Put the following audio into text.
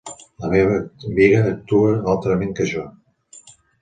La meva amiga actua altrament que jo.